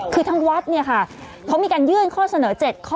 คือทั้งวัดมีการยื่นข้อเสนอ๗ข้อ